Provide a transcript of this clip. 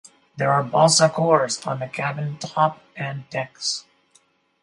There are balsa cores on the cabin top and decks.